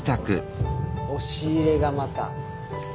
押し入れがまた。